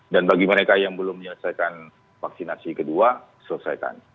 dan bagi mereka yang belum menyelesaikan vaksinasi kedua selesaikan